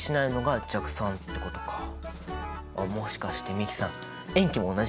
あっもしかして美樹さん塩基も同じ？